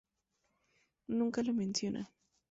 Nunca lo mencionan.